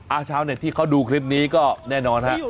ชาวเน็ตที่เขาดูคลิปนี้ก็แน่นอนฮะ